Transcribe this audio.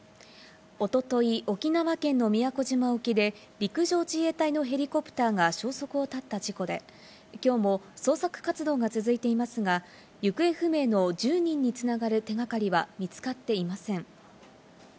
一昨日、沖縄県の宮古島沖で陸上自衛隊のヘリコプターが消息を絶った事故で、今日も捜索活動が続いていますが、行方不明の１０人に繋がる手がかりは見つかっていません。